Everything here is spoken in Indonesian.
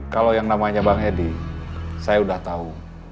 kalau yang namanya bang edi saya sudah tahu